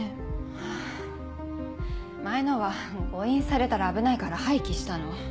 あぁ前のは誤飲されたら危ないから廃棄したの。